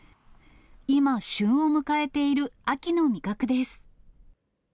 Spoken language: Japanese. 今、旬を迎えている秋の味覚です。